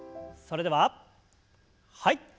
それでははい。